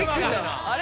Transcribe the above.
あれ？